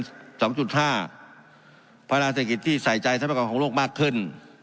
พัฒนาเศรษฐกิจที่ใส่ใจศิลประกอบของโลกมากขึ้น